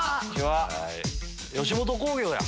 吉本興業やん。